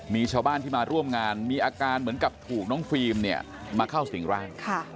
มีชาวบ้านที่มาร่วมงานมีอาการเหมือนกับถูกน้องฟิล์มเนี่ยมาเข้าสิ่งร่าง